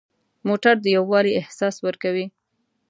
موټر د یووالي احساس ورکوي.